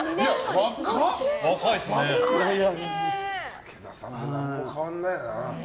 武田さん、何も変わらないな。